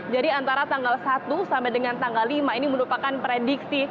jadi antara tanggal satu sampai dengan tanggal lima ini merupakan prediksi